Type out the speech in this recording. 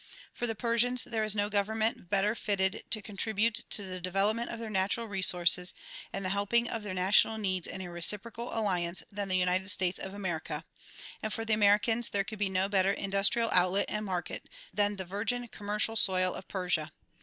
For the Persians there is no government better fitted to contribute to the development of their natural resources and the helping of their national needs in a reciprocal alliance than the United States of America ; and for the Americans there could be no better indus trial outlet and market than the virgin commercial soil of Persia.